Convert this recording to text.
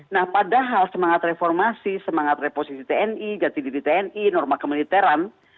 nah padahal semangat reformasi semangat reposisi tni jati diri tni norma kemiliteran